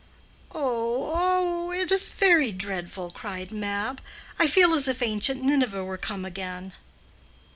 "Oh, oh, oh, it's very dreadful!" cried Mab. "I feel as if ancient Nineveh were come again."